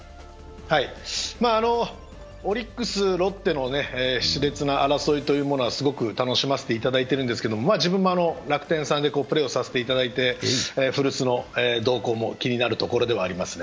オリックス、ロッテのし烈な争いはすごく楽しませていただいているんですけど、自分も楽天さんでプレーをさせていただいて、古巣の動向も気になるところではありますね。